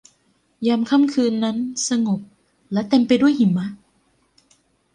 ยามค่ำคืนนั้นสงบและเต็มไปด้วยหิมะ